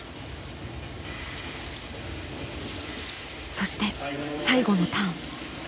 そして最後のターン。